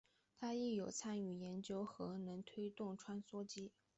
他亦有参与研究核能推动的穿梭机。